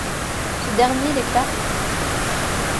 Ce dernier déclare qu'.